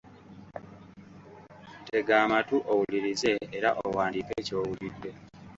Tega amatu owulirize era owandiike ky'owulidde.